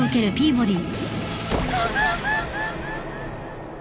あっ！